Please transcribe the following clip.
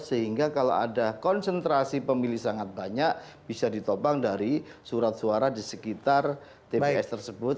sehingga kalau ada konsentrasi pemilih sangat banyak bisa ditopang dari surat suara di sekitar tps tersebut